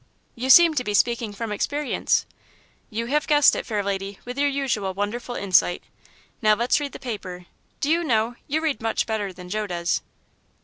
"You seem to be speaking from experience." "You have guessed it, fair lady, with your usual wonderful insight. Now let's read the paper do you know, you read much better than Joe does?"